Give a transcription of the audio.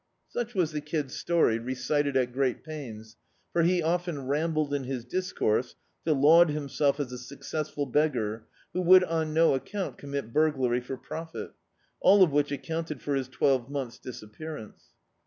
Such was the Kid's story, recited at great pains, for he often rambled in his discourse to laud himself as a successful beggar who would, on no account, ccMnmit burglary for profit; all of which accounted for his twelve mcmths' disappearance.